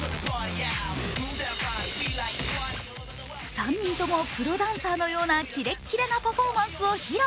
３人ともプロダンサーのようなキレッキレなパフォーマンスを披露。